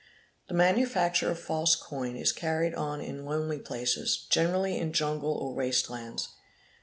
The manu "facture of false coin is carried on in lonely places, generally in jungle or waste lands.